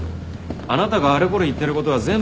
あなたがあれこれ言ってることは全部誤解で。